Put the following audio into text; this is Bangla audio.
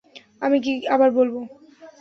আমি কি আবার বলবো?